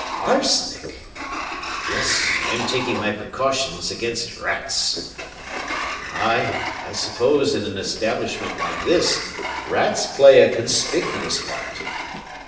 "Arsenic?" "Yes; I am taking my precautions against rats." "Ay, I suppose in an establishment like this, rats play a conspicuous part."